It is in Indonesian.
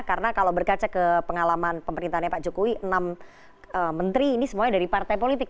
karena kalau berkaca ke pengalaman pemerintahnya pak jokowi enam menteri ini semuanya dari partai politik